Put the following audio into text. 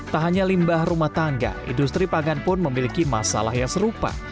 tak hanya limbah rumah tangga industri pangan pun memiliki masalah yang serupa